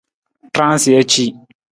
Raansija ci.